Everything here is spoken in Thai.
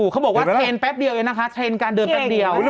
เขาบอกว่าเทรนดแป๊บเดียวเองนะคะเทรนด์การเดินแป๊บเดียว